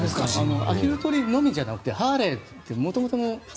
アヒル取りのみじゃなくてハーレーって元々の。